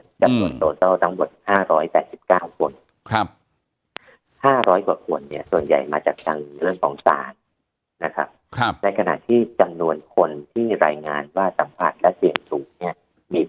จำนวนโตเซลล์ตั้งหมด๕๘๙คนครับ๕๐๐กว่าคนเนี่ยส่วนใหญ่มาจากทางเรื่องสองสารนะครับ